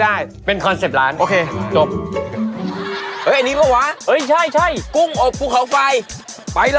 ไหนข้างในอาจจะมีนิติวก็ได้